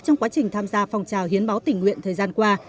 trong quá trình tham gia phòng trào hiến máu tình nguyện thời gian qua